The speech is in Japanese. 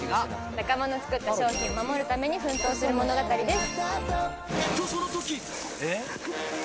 仲間の作った商品を守るために奮闘する物語です。